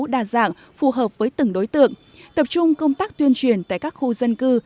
đa dạng phù hợp với từng đối tượng tập trung công tác tuyên truyền tại các khu dân cư